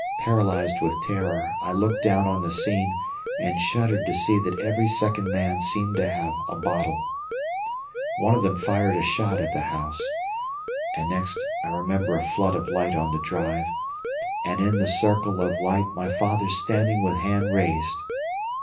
Paralysed with terror, I looked down on the scene, and shuddered to see that every second man seemed to have a bottle. One of them fired a shot at the house, and next I remember a flood of light on the drive, and, in the circle of light, my father standing with hand raised.